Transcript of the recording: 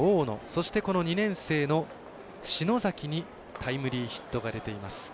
そして、この２年生の篠崎にタイムリーヒットが出ています。